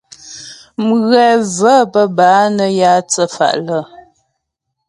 Mghɛ və̀ bə́ bâ nə́ yǎ thə́fa' lə́.